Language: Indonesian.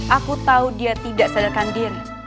aku tahu dia tidak sadarkan diri